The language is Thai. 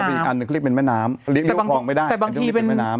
อันนึงเขาเรียกเป็นแม่น้ำเรียกว่าพองไม่ได้แต่บางทีเป็นแม่น้ำ